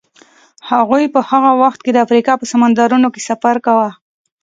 هغوی په هغه وخت کې د افریقا په سمندرونو کې سفر کاوه.